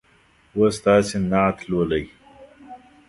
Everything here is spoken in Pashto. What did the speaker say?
اوس تاسې نعت لولئ.